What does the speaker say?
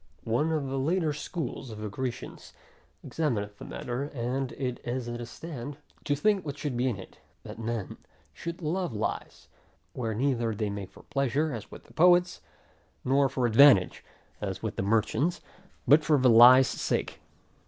One of the later school of the Grecians, examineth the matter, and is at a stand, to think what should be in it, that men should love lies; where neither they make for pleasure, as with poets, nor for advantage, as with the merchant; but for the lie's sake.